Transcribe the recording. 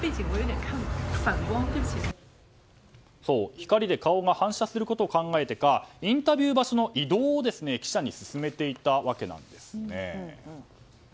光で顔が反射することを考えてかインタビュー場所の移動を記者に進めていたわけなんです。